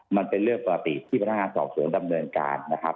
มันเป็นเรื่องปกติที่พนักงานสอบสวนดำเนินการนะครับ